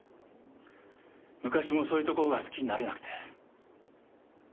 昔もそういうところが好きになれなくて。